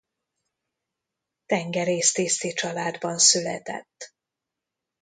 Tengerésztiszti családban született.